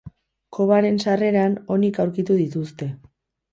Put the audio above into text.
Kobaren sarreran onik aurkitu dituzte.